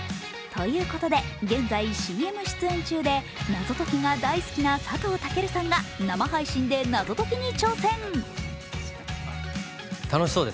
ということで、現在ＣＭ出演中で謎解きが大好きな佐藤健さんが生配信で謎解きに挑戦。